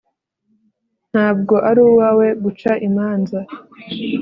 ntabwo ari uwawe guca imanza